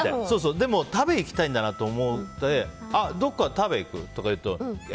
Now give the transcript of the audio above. でも、食べに行きたいんだなと思ってどこか食べ行く？とか言うとえ？